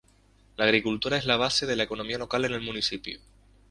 La agricultura es la base de la economía local en el municipio.